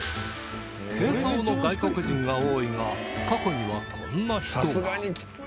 軽装の外国人が多いが過去にはこんな人が